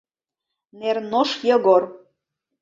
Нернош Йогор...